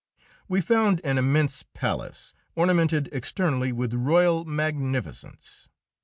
We found an immense palace, ornamented externally with royal magnificence.